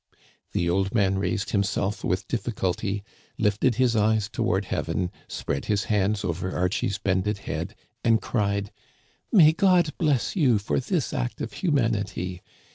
The old man raised himself with difficulty, lifted his eyes toward heaven, spread his hands over Archie's bended head, and cried :" May God bless you for this act of humanity